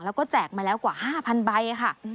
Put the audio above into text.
แล้วก็แจกมาแล้วกว่า๕๐๐ใบค่ะ